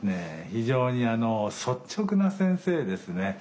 非常に率直な先生ですね。